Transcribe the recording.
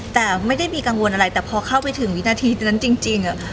แต่พอเข้าไปถึงวินาทีนั้นจริง